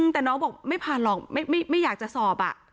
แต่น้องบอกไม่ผ่านหรอกไม่อยากจะสอบ